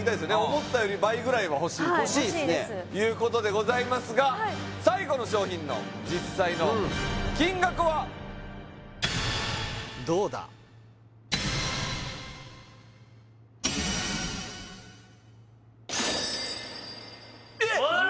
思ったより倍ぐらいは欲しいとはい欲しいですいうことでございますが最後の商品の実際の金額はどうだ？えっ！？